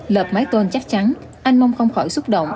lợp mái tôn chắc chắn anh mong không khỏi xúc động